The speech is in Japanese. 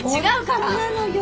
違うから！